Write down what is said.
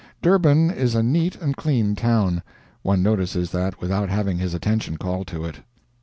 Durban is a neat and clean town. One notices that without having his attention called to it.